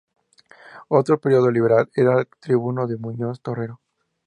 Otro periódico liberal era "El Tribuno", de Muñoz Torrero.